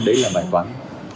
đấy là bài toán